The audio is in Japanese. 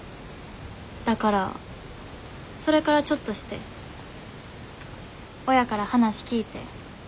だからそれからちょっとして親から話聞いて。